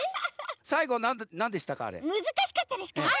さいごなんでしたかあれ？